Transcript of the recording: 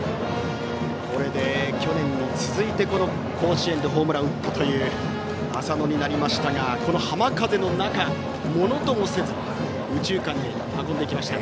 これで去年に続いて甲子園でホームランを打ったという浅野になりましたが浜風の中、ものともせず右中間へ運んでいきました。